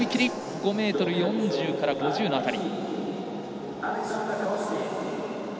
５ｍ４０から５０の辺り。